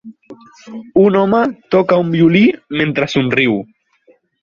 Un home toca un violí mentre somriu.